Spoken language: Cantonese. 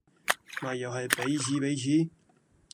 咪又係彼此彼此